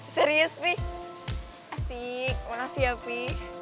serius pi asik makasih ya pi